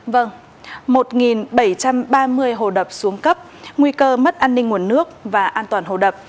vâng một bảy trăm ba mươi hồ đập xuống cấp nguy cơ mất an ninh nguồn nước và an toàn hồ đập